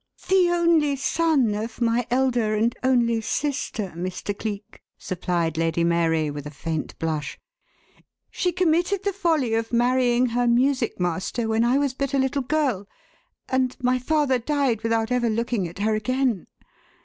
"The only son of my elder and only sister, Mr. Cleek," supplied Lady Mary with a faint blush. "She committed the folly of marrying her music master when I was but a little girl, and my father died without ever looking at her again.